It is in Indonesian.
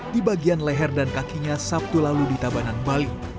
di bagian leher dan kakinya sabtu lalu di tabanan bali